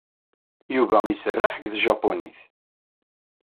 Yuba iserreḥ deg tjapunit.